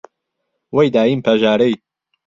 وهی دایم پهژارهی